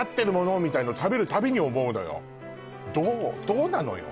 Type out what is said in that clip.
どうなのよ